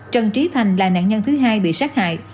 trần trí thành là nạn nhân thứ hai bị sát hại